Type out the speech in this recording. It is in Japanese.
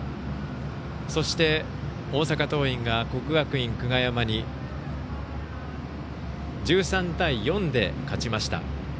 そして、大阪桐蔭が国学院久我山に１３対４で勝ちました。